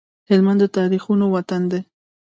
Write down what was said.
هلمند د تاريخونو وطن دی